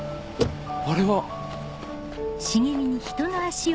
あれは！